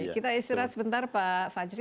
kita istirahat sebentar pak fajri